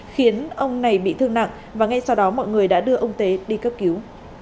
khiến ông này bị thương nặng và ngay sau đó mọi người đã đưa ông tế đi cấp cứu